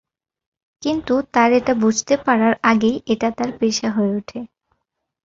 কিন্তু তার এটা বুঝতে পারার আগেই, এটা তার পেশা হয়ে ওঠে।